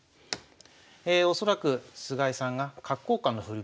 恐らく菅井さんが角交換の振り